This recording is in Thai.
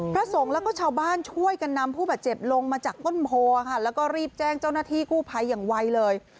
พระสงฆ์แล้วก็ชาวบ้านช่วยกันนำผู้บาดเจ็บลงมาจากต้นโพค่ะแล้วก็รีบแจ้งเจ้าหน้าที่กู้ภัยอย่างไวเลย